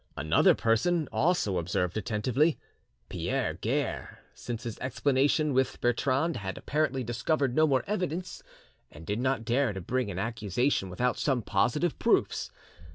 Another person also observed attentively. Pierre Guerre since his explanation with Bertrande had apparently discovered no more evidence, and did not dare to bring an accusation without some positive proofs.